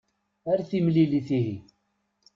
Ar timlilit ihi.